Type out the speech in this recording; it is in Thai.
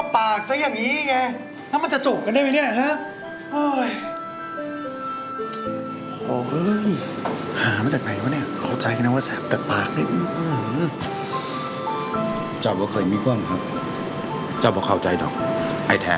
ถ้ามันปล่อยคอยไปว่าไม่อยู่ในมุมคอยใครก็ไม่อยากถึงหรอกใครไปอยากตกข้นแก